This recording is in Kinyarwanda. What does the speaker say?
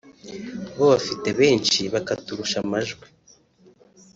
bo bafite benshi bakaturusha amajwi